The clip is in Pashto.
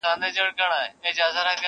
پر سجده سو قلندر ته په دعا سو!.